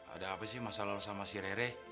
ada apa sih masalah sama si rere